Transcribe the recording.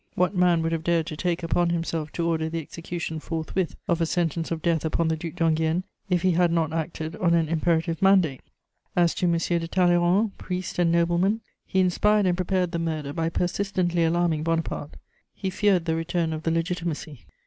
What man would have dared to take upon himself to order the execution forthwith of a sentence of death upon the Duc d'Enghien, if he had not acted on an imperative mandate? As to M. de Talleyrand, priest and nobleman, he inspired and prepared the murder by persistently alarming Bonaparte: he feared the return of the Legitimacy.